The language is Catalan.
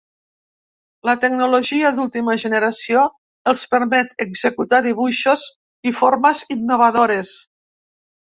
La tecnologia d’última generació els permet executar dibuixos i formes innovadores.